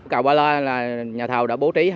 cầu ba loa là nhà thầu đã bố trí